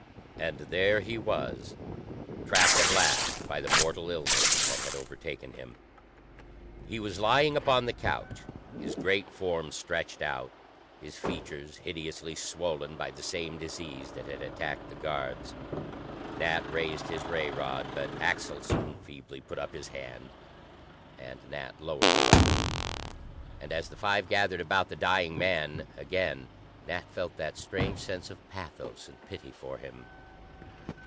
And there he was, trapped at last by the mortal illness that had overtaken him! He was lying upon the couch, his great form stretched out, his features hideously swollen by the same disease that had attacked the guards. Nat raised his ray rod, but Axelson feebly put up his hand, and Nat lowered the weapon. And, as the five gathered about the dying man, again Nat felt that strange sense of pathos and pity for him.